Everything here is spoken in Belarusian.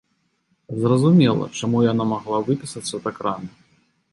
Зразумела, чаму яна магла выпісацца так рана.